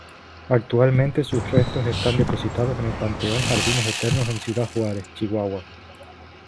Actualmente sus restos están depositados en el Panteón Jardines Eternos en Ciudad Juárez, Chihuahua.